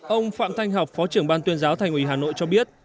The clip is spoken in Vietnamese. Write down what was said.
ông phạm thanh học phó trưởng ban tuyên giáo thành ủy hà nội cho biết